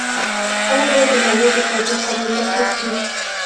خلک باید د مالیې د تادیې قانون تعقیب کړي.